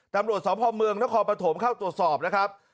ตำรวจสพเมืองนครปฐมเข้าตรวจสอบนะครับ